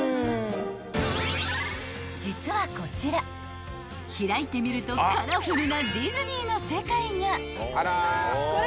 ［実はこちら開いてみるとカラフルなディズニーの世界が］